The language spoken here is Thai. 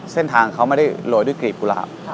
เส้นทางเขาไม่ได้โรยด้วยกลีบกุหลาบ